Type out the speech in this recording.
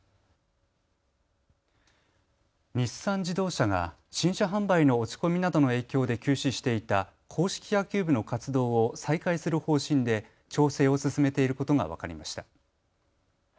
日産自動車が新車販売の落ち込みなどの影響で休止していた硬式野球部の活動を再開する方針で調整を進めていることが分かりました。